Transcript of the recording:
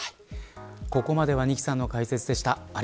ここまでは仁木さんの解説でした。